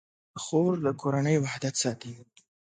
خور د کورنۍ وحدت ساتي.